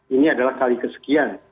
ini adalah kali kesekian